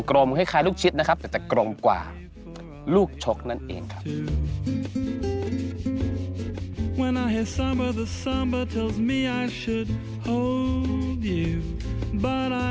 รมคล้ายลูกชิ้นนะครับแต่จะกลมกว่าลูกชกนั่นเองครับ